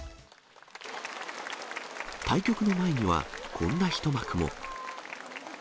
対局の前には、こんな一幕も。